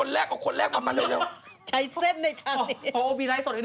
และไลก์โสดพวกนี้ให้หนูเดี๋ยวสิ